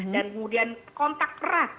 dan kemudian kontak rat